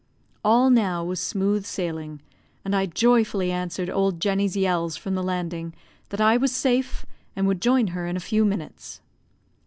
All now was smooth sailing, and I joyfully answered old Jenny's yells from the landing, that I was safe, and would join her in a few minutes.